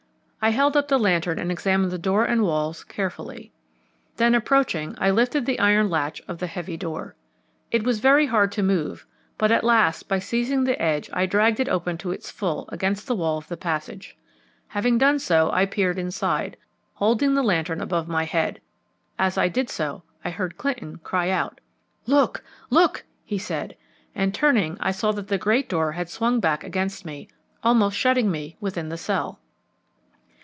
I held up the lantern and examined the door and walls carefully. Then approaching I lifted the iron latch of the heavy door. It was very hard to move, but at last by seizing the edge I dragged it open to its full against the wall of the passage. Having done so I peered inside, holding the lantern above my head. As I did so I heard Clinton cry out, "Look, look," he said, and turning I saw that the great door had swung back against me, almost shutting me within the cell.